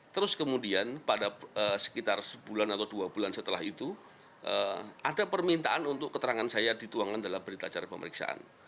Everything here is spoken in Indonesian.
terus kemudian pada sekitar sebulan atau dua bulan setelah itu ada permintaan untuk keterangan saya dituangkan dalam berita acara pemeriksaan